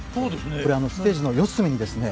これステージの四隅にですね